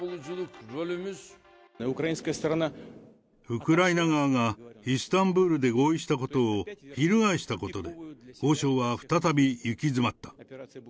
ウクライナ側がイスタンブールで合意したことを、翻したことで交渉は再び行き詰まった。